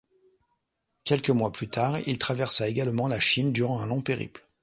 Quelques mois plus tard, il traversa également la Chine durant un long périple.